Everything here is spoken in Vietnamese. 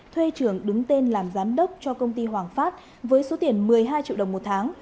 thuê trường đứng tên làm giám đốc cho công ty hoàng phát với số tiền một mươi hai triệu đồng một tháng